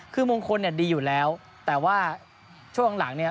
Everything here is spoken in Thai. คือมงคลเนี่ยดีอยู่แล้วแต่ว่าช่วงหลังเนี่ย